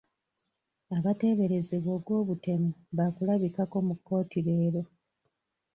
Abateeberezebwa ogw'obutemu baakulabikako mu kkooti leero.